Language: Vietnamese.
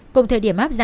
chủ nghĩa một mươi hai